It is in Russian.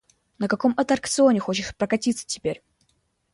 На каком аттракционе хочешь прокатиться теперь?